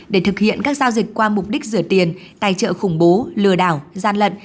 để thực hiện các giao dịch qua mục đích rửa tiền tài trợ khủng bố lừa đảo gian lận